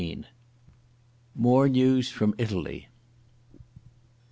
MORE NEWS FROM ITALY.